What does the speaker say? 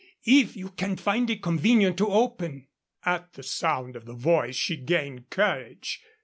"If you can find it convenient to open " At the sound of the voice she gained courage.